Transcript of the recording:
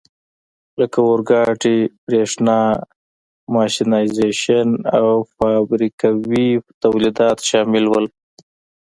لکه اورګاډي، برېښنا، ماشینایزېشن او فابریکوي تولیدات شامل وو.